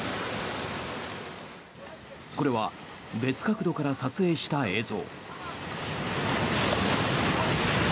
これは別角度から撮影した映像。